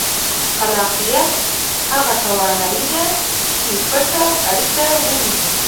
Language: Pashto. خلاقیت هغه توانایي ده چې پټه اړیکه ووینئ.